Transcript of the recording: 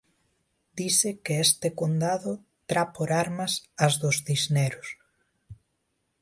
Dise que este condado tra por armas as dos Cisneros.